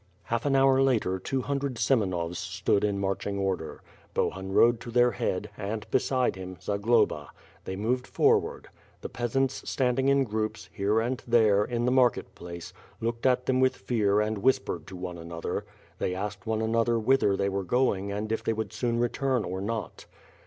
Half an hour later, two hundred Semenovs stood in march ing order. Bohun rode to their head and, beside him, Zag loba. They moved forward. The peasants standing in groups, here and there, in the market place, looked at them with fear and whispered to one another. They asked one another whither they were going and if they would soon return or not.